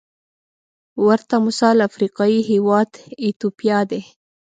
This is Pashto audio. ورته مثال افریقايي هېواد ایتوپیا دی.